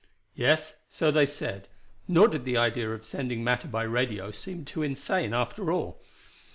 "Yes, so they said, nor did the idea of sending matter by radio seem too insane, after all.